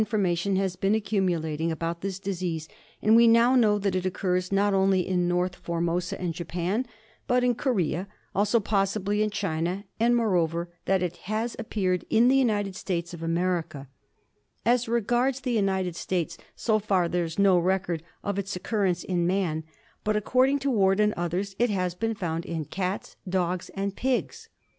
'v.itV\ formation has r ^^^^^^E been accumulat r ^^^^^^fc K *''' y. ^^SSi \ ing about this now know that it occurs not only in North For mosa and Japan, but in Korea, also possiblyin China, and, moreover, that it has ap ParagoHimui ■^aUrmanni pcarcd in the United States of America. As regards the United States, so far there is no record of its occurrence in man, but, according to Ward and others, it has been found in cats, dogs, and pigs.